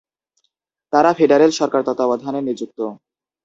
তারা ফেডারেল সরকার তত্ত্বাবধানে নিযুক্ত।